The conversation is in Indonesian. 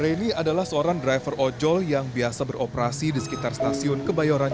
leni adalah seorang driver ojol yang biasa beroperasi di sekitar stasiun kebayoran